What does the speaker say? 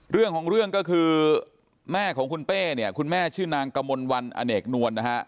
เรื่องของเรื่องก็คือแม่ของคุณเป้เนี่ยคุณแม่ชื่อนางกมลวันอเนกนวลนะฮะ